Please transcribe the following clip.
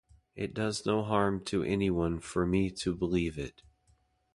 It does no harm to anyone for me to believe it.